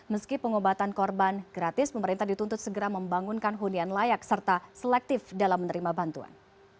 meski pengobatan korban gratis pemerintah dituntut segera membangunkan hunian layak serta selektif dalam menerima bantuan